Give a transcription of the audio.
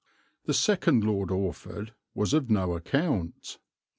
The second Lord Orford was of no account.